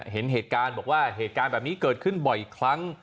เห็นเหตุการณ์บอกว่าเหตุการณ์แบบนี้เกิดขึ้นบ่อยครั้ง